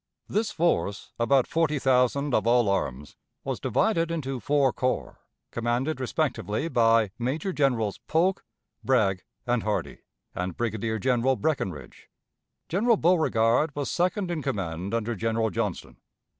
This force, about forty thousand of all arms, was divided into four corps, commanded respectively by Major Generals Polk, Bragg, and Hardee, and Brigadier General Breckinridge. General Beauregard was second in command under General Johnston.